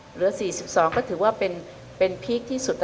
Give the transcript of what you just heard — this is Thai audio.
เหลือ๔๒ก็ถือว่าเป็นพีคที่สุด